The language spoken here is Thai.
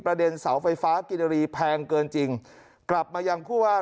เด็นเสาไฟฟ้ากินรีแพงเกินจริงกลับมายังผู้ว่า